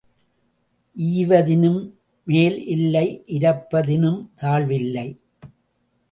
ஈவதினும் மேல் இல்லை இரப்பதினும் தாழ்வு இல்லை.